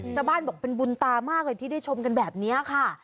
ชาวบ้านบอกเป็นบุญตามากเลยที่ได้ชมกันแบบนี้ค่ะ